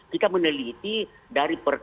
kita meneliti dari